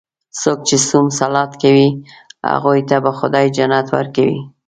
څوک چې صوم صلات کوي، هغوی ته به خدا جنت ورکوي.